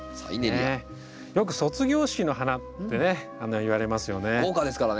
よく卒業式の花ってねいわれますよね。